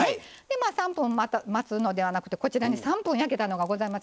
３分待つのではなくて３分焼けたのがございます。